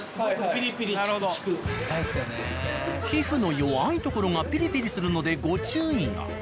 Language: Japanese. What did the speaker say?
皮膚の弱い所がピリピリするのでご注意が。